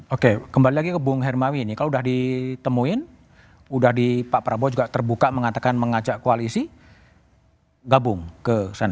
oke kembali lagi ke bung hermawi ini kalau udah ditemuin udah di pak prabowo juga terbuka mengatakan mengajak koalisi gabung ke sana